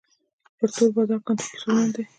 پر تور بازار کنټرول ستونزمن دی.